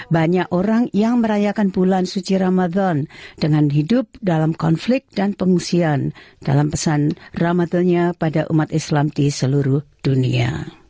banyak orang yang merayakan bulan suci ramadan dengan hidup dalam konflik dan pengungsian dalam pesan ramadannya pada umat islam di seluruh dunia